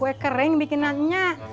gue kering bikinannya